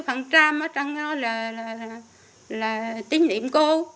mấy phần trăm ở trong đó là tín nhiệm cô